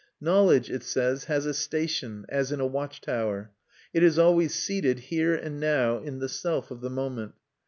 Knowledge, it says, has a station, as in a watch tower; it is always seated here and now, in the self of the moment.